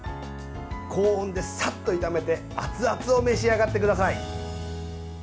高温で、さっと炒めて熱々を召し上がってください。